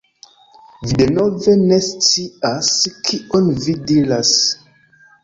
Vi denove ne scias kion vi diras.